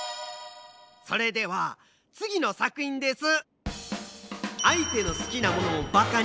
それではつぎのさくひんです。